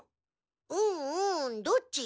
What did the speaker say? うんううんどっち？